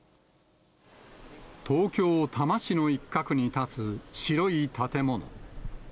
東京・多摩市の一角に建つ白い建物。